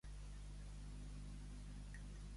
Hola, Laia! Volem oli!